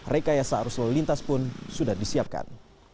rekayasa arus lalu lintas pun sudah disiapkan